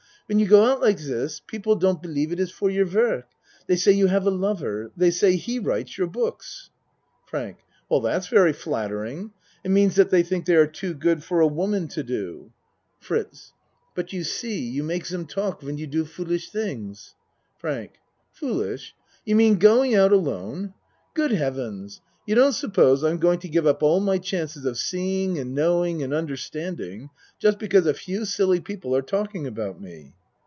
When you go out like dis people don't believe it is for your work. They say you have a lover they say he writes your books. FRANK That's very flattering. It means that they think they are too good for a woman to do. 34 A MAN'S WORLD FRITZ But you see you make dem talk when you do foolish things. FRANK Foolish? You mean going out alone? Good Heavens! You don't supose I'm going to give up all my chances of seeing and knowing and un derstanding just because a few silly people are talk ing about me?